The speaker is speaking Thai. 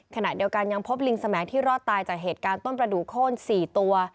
ขณะเดียวกันยังพบลิงสมัยที่รอดตายจากเหตุการณ์ต้นประดูกโค้น๔ตัว